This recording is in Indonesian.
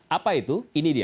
apa itu ini dia